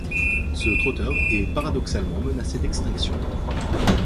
Ce trotteur est paradoxalement menacé d’extinction.